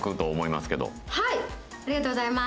ありがとうございます。